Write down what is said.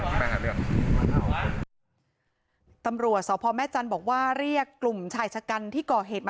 ขี้ต๊ะตำรวจสกระพัทห์แม่จันทร์บอกว่าเรียกกลุ่มชายชะกันที่ก่อเหตุ